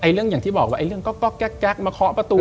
เรื่องอย่างที่บอกว่าเรื่องก๊อกแก๊กมาเคาะประตู